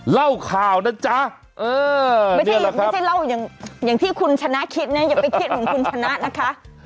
เล่าข่าวนะจ๊ะไม่ใช่เล่าอย่างที่คุณชนะคิดนะอย่าไปคิดของคุณชนะนะคะ